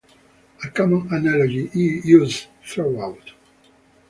A common analogy is used throughout.